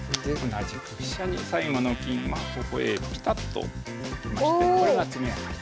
同じく飛車に最後の金はここへピタッときましてこれが詰め上がり。